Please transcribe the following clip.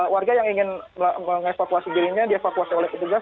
warga yang ingin mengevakuasi dirinya dievakuasi oleh petugas